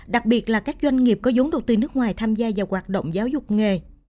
đặc biệt là các doanh nghiệp có giống đầu tư nước ngoài tham gia vào hoạt động giáo dục nghề